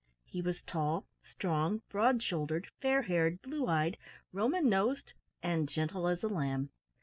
He was tall, strong, broad shouldered, fair haired, blue eyed, Roman nosed, and gentle as a lamb.